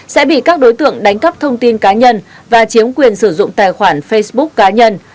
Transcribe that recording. sẽ bị các đối tượng đánh cắp thông tin cá nhân và chiếm quyền sử dụng tài khoản facebook cá nhân